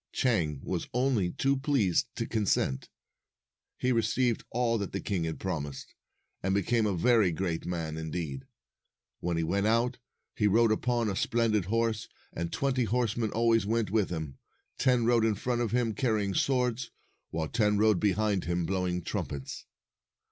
250 Chang was only too pleased to consent. He received all that the king had promised, and became a very great man, indeed. When he went out, he rode upon a splendid horse, and twenty horsemen always went with him. Ten rode in front of him, carrying swords, while ten rode behind him, blowing trumpets.